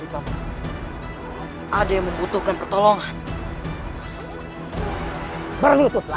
kau sedang terluka